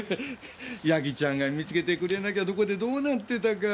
矢木ちゃんが見つけてくれなきゃどこでどうなってたか。